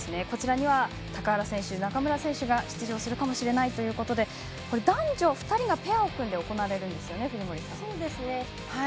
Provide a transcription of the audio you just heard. こちらには高原選手、中村選手が出場するかもしれないということで男女２人がペアを組んで行われるんですね、藤森さん。